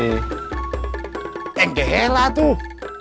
yang itu helah